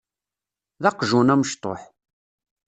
D aqjun amecṭuḥ.